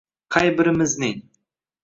Qay birimizning